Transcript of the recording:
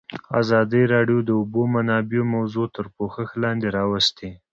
ازادي راډیو د د اوبو منابع موضوع تر پوښښ لاندې راوستې.